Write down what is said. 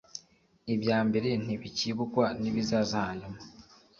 ibya mbere ntibicyibukwa n ibizaza hanyuma